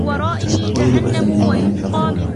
أريد كأسا من الماء من فضلك.